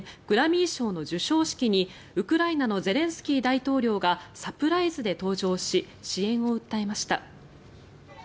グラミー賞の授賞式にウクライナのゼレンスキー大統領がサプライズで登場し支援を訴えました。